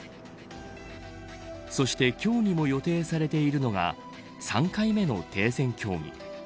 そして今日にも予定されているのが３回目の停戦協議。